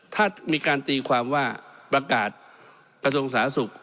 ถ้ามีการตีความว่าประกาศกระทรวงสาธารณสุข